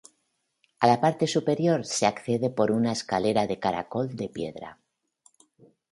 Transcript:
A la parte superior se accede por una escalera de caracol de piedra.